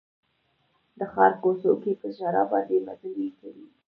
د ښار کوڅو کې په ژړا باندې مزلې کوي